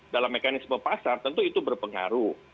dalam mekanisme pasar tentu itu berpengaruh